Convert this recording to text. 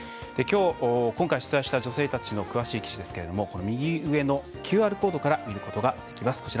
きょう、今回取材した女性たちの詳しい記事ですが右上のＱＲコードから見ることができます。